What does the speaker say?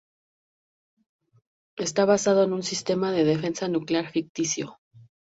Está basado en un sistema de defensa nuclear ficticio.